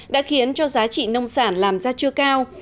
đã khiến cho giá trị nông sản làm ra chưa cao